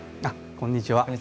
こんにちは。